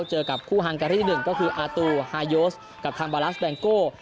เจอกับคู่ฮังการที่๑ก็คืออาตูฮาโยสกับทางบาลัสแบงโก้